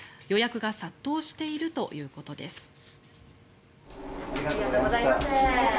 予約が殺到しているということです。